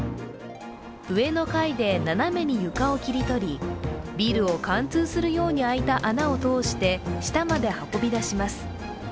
上の階で斜めに床を切り取りビルを貫通するように開いた穴を通して下まで運び出します。